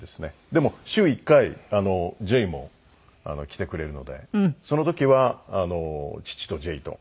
でも週１回ジェイも来てくれるのでその時は父とジェイと。